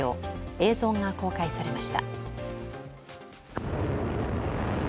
映像が公開されました。